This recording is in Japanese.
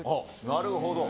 なるほど。